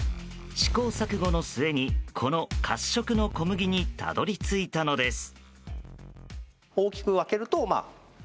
試行錯誤の末にこの褐色の小麦にたどり着いたのです。